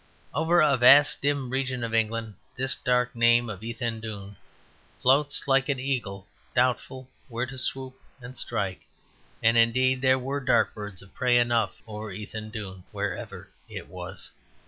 Over a vast dim region of England this dark name of Ethandune floats like an eagle doubtful where to swoop and strike, and, indeed, there were birds of prey enough over Ethandune, wherever it was.